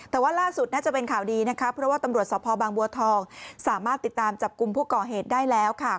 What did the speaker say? แต่ว่าล่าสุดน่าจะเป็นข่าวดีนะคะเพราะว่าตำรวจสภบางบัวทองสามารถติดตามจับกลุ่มผู้ก่อเหตุได้แล้วค่ะ